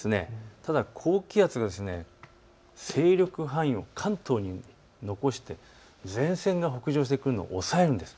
ただ高気圧が勢力範囲を関東に残して前線が北上してくるのを抑えるんです。